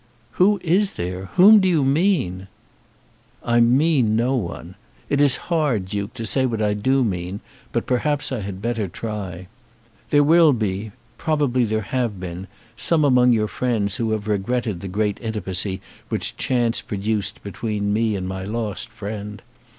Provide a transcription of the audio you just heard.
"Who is there? Whom do you mean?" "I mean no one. It is hard, Duke, to say what I do mean, but perhaps I had better try. There will be, probably there have been, some among your friends who have regretted the great intimacy which chance produced between me and my lost friend.